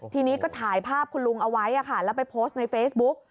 ทีนี้ก็ถ่ายภาพคุณลุงเอาไว้แล้วไปโพสต์ในเฟซบุ๊ก